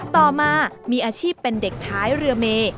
ต่อมามีอาชีพเป็นเด็กท้ายเรือเม